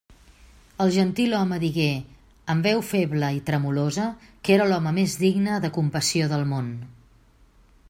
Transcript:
El gentilhome digué, amb veu feble i tremolosa, que era l'home més digne de compassió del món.